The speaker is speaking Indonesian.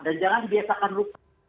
dan jangan dibiasakan lupa